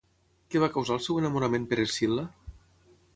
Què va causar el seu enamorament per Escil·la?